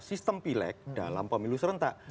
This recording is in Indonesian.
sistem pilek dalam pemilu serentak